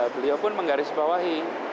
beliau pun menggarisbawahi